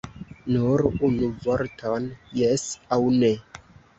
Nur unu vorton jes aŭ ne!